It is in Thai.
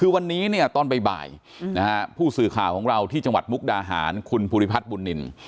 คือวันนี้เนี่ยตอนบ่ายนะฮะผู้สื่อข่าวของเราที่จังหวัดมุกดาหารคุณภูริพัฒน์บุญนิน